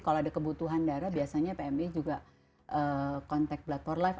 kalau ada kebutuhan darah biasanya pmi juga contact blood for life